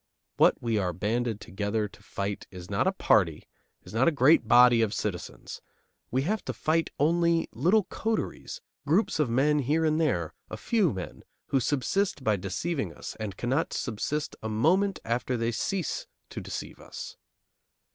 What we are banded together to fight is not a party, is not a great body of citizens; we have to fight only little coteries, groups of men here and there, a few men, who subsist by deceiving us and cannot subsist a moment after they cease to deceive us.